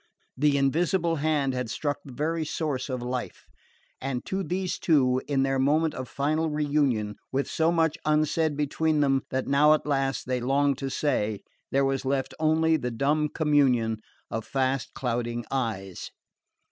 The invisible hand had struck the very source of life; and to these two, in their moment of final reunion, with so much unsaid between them that now at last they longed to say, there was left only the dumb communion of fast clouding eyes...